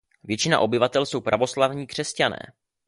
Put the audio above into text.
Většina obyvatel jsou pravoslavní křesťané.